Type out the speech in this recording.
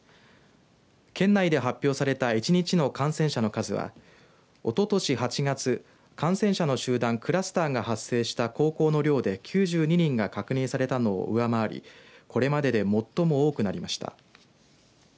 県内で発表された１日の感染者の数はおととし８月感染者の集団クラスターが発生した高校の寮で９２人が確認されたのを上回りこれまでで最も多くなりました。